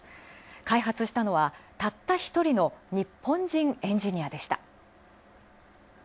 開発したのは、たった一人の日本人エンジニアでした。